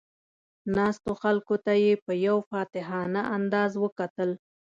ناستو خلکو ته یې په یو فاتحانه انداز وکتل.